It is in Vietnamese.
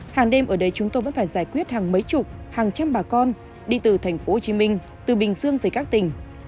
hàng đêm ở đây chúng tôi vẫn phải giải quyết hàng mấy chục hàng trăm bà con đi từ tp hcm từ bình dương về các tỉnh